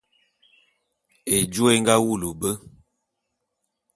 Ejôé é nga wulu be.